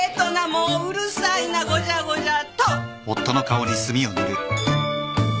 もううるさいなごちゃごちゃと！